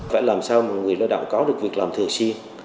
phải làm sao mà người lao động có được việc làm thường xuyên